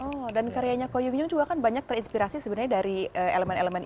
oh dan karyanya ko yun juga kan banyak terinspirasi sebenarnya dari elemen elemen